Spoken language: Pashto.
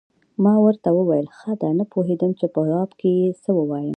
ما ورته وویل: ښه ده، نه پوهېدم چې په ځواب کې یې څه ووایم.